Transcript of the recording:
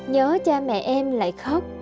nhớ cha mẹ em lại khóc